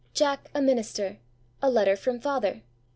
Jack a minister. A letter from father.